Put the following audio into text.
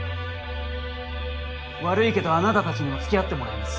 悪いけどあなた達にも付き合ってもらいます。